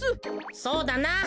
そうだな。